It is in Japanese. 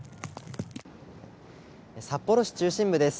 札幌市中心部です。